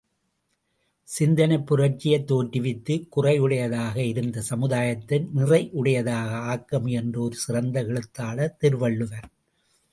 சிந்தனைப் புரட்சியைத் தோற்றுவித்து குறையுடையதாக இருந்த சமுதாயத்தை நிறையுடையதாக ஆக்க முயன்ற ஒரு சிறந்த எழுத்தாளர் திருவள்ளுவர்.